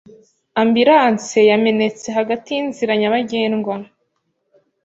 Ambulanse yamenetse hagati yinzira nyabagendwa.